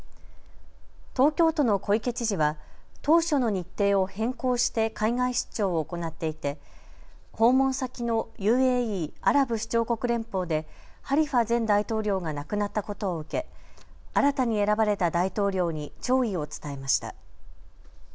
東京都の小池知事は当初の日程を変更して海外出張を行っていて訪問先のＵＡＥ・アラブ首長国連邦でハリファ前大統領が亡くなったことを受け新たに選ばれた大統領に弔意を伝えました。